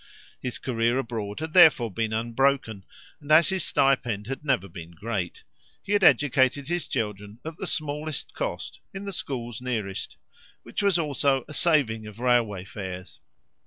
His career abroad had therefore been unbroken, and as his stipend had never been great he had educated his children, at the smallest cost, in the schools nearest, which was also a saving of railway fares.